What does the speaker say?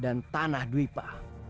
dan tanah dwipa